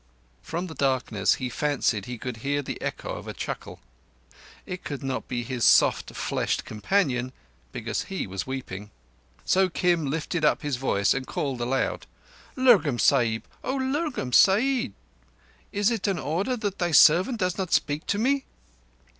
From the darkness he fancied he could hear the echo of a chuckle. It could not be his soft fleshed companion, because he was weeping. So Kim lifted up his voice and called aloud: "Lurgan Sahib! O Lurgan Sahib! Is it an order that thy servant does not speak to me?"